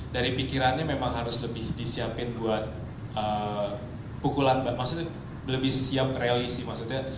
dari pikirannya memang harus lebih disiapin buat pukulan maksudnya lebih siap rally sih maksudnya